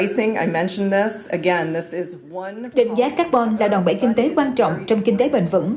định giá carbon là đòn bể kinh tế quan trọng trong kinh tế bền vững